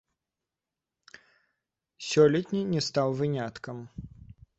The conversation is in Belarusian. Сёлетні не стаў выняткам.